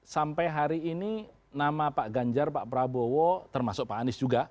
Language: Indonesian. sampai hari ini nama pak ganjar pak prabowo termasuk pak anies juga